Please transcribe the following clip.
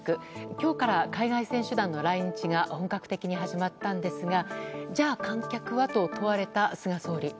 今日から海外選手団の来日が本格的に始まったんですがじゃあ、観客は？と問われた菅総理。